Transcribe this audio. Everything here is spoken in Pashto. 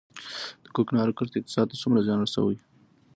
د کوکنارو کښت اقتصاد ته څومره زیان رسوي؟